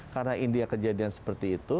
karena india kejadian seperti itu